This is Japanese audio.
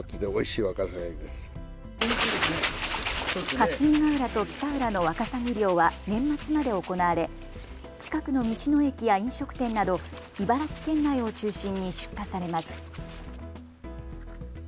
霞ヶ浦と北浦のワカサギ漁は年末まで行われ近くの道の駅や飲食店など茨城県内を中心に出荷されます。